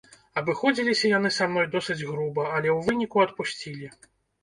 Абыходзіліся яны са мной досыць груба, але ў выніку адпусцілі.